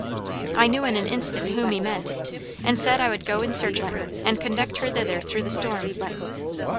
I knew in an instant whom he meant and said I would go in search of her and conduct her thither through the storm.